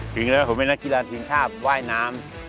จริงแล้วผมเป็นนักกีฬาทีมชาติว่ายน้ำ